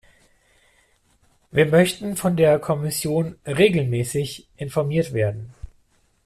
Wir möchten von der Kommission regelmäßig informiert werden.